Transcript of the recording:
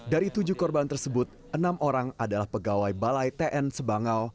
dari tujuh korban tersebut enam orang adalah pegawai balai tn sebangau